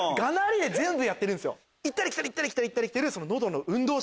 行ったり来たり行ったり来たり行ったり来てる。